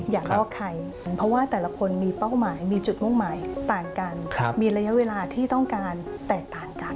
อยากลอกใครเพราะว่าแต่ละคนมีเป้าหมายมีจุดมุ่งหมายต่างกันมีระยะเวลาที่ต้องการแตกต่างกัน